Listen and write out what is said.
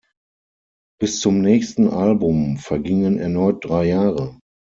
Bis zum nächsten Album vergingen erneut drei Jahre.